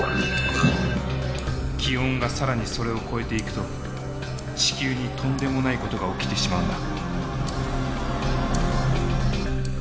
気温が更にそれを超えていくと地球にとんでもないことが起きてしまうんだ。